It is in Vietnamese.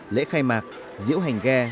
lễ khai mạc diễu hành ghe